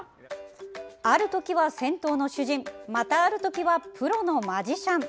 あるときは銭湯の主人またあるときはプロのマジシャン。